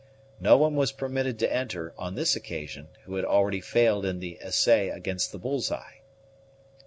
No one was permitted to enter, on this occasion, who had already failed in the essay against the bull's eye.